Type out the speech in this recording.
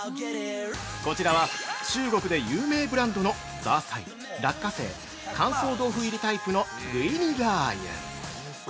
◆こちらは、中国で有名ブランドのザーサイ、落花生、乾燥豆腐入りタイプの具入りラー油。